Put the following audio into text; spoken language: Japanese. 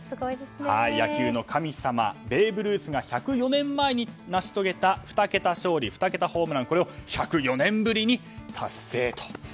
野球の神様ベーブ・ルースが１０４年前に成し遂げた２桁勝利２桁ホームランこれを１０４年ぶりに達成と。